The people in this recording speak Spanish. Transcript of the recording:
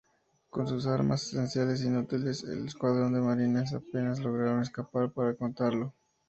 Con sus armas esencialmente inútiles, el escuadrón de marines apenas logran escapar para contarlo.